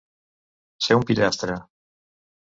Ser un pillastre.